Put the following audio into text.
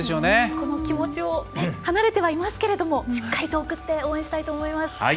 この気持ちを離れてはいますけれどもしっかりと送って応援したいと思います。